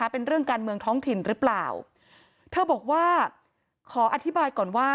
เป็นเรื่องการเมืองท้องถิ่นหรือเปล่าเธอบอกว่าขออธิบายก่อนว่า